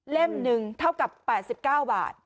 หนึ่งเท่ากับ๘๙บาท